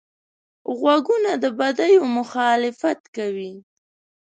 غوږونه د بدیو مخالفت کوي